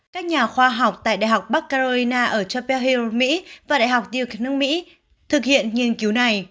các nhà khoa học tại đại học bắc carolina ở chapel hill mỹ và đại học duke nước mỹ thực hiện nghiên cứu này